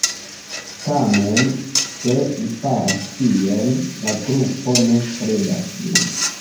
Tamen, se li faras tion, la grupo ne kredas lin.